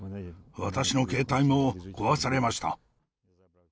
私の携帯も壊されました。